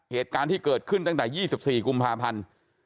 เหตุการณ์ที่เกิดขึ้นตั้งแต่๒๔กุมภาพันธ์